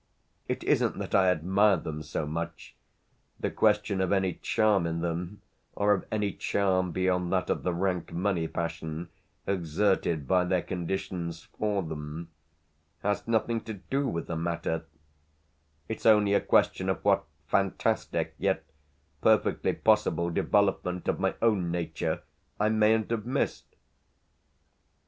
It isn't that I admire them so much the question of any charm in them, or of any charm, beyond that of the rank money passion, exerted by their conditions for them, has nothing to do with the matter: it's only a question of what fantastic, yet perfectly possible, development of my own nature I mayn't have missed.